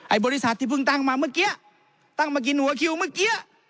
บริษัทที่เพิ่งตั้งมาเมื่อกี้ตั้งมากินหัวคิวเมื่อกี้